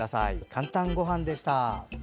「かんたんごはん」でした。